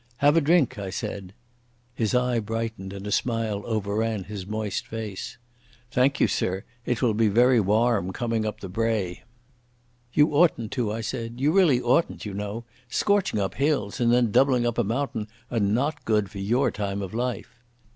"Have a drink," I said. His eye brightened, and a smile overran his moist face. "Thank you, sir. It will be very warrm coming up the brae." "You oughtn't to," I said. "You really oughtn't, you know. Scorching up hills and then doubling up a mountain are not good for your time of life."